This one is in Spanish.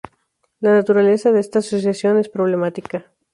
La naturaleza de esta asociación es problemática.